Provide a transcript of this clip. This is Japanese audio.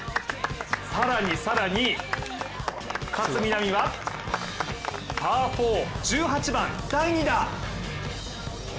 更に更に、勝みなみは、パー４、１８番、第２打。